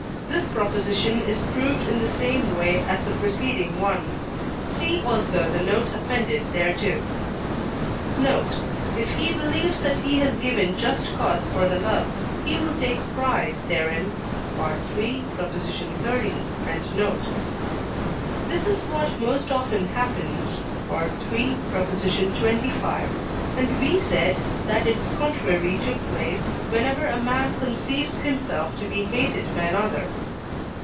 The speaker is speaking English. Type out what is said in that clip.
This proposition is proved in the same way as the preceding one. See also the note appended thereto. Note. If he believes that he has given just cause for the love, he will take pride therein (III. xxx. and note); this is what most often happens (III. xxv.), and we said that its contrary took place whenever a man conceives himself to be hated by another.